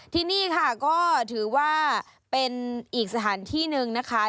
ที่นี่ค่ะก็ถือว่าเป็นอีกสถานที่หนึ่งนะคะ